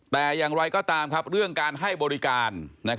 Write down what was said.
แต่อย่างไรก็ตามเรื่องการให้บริการ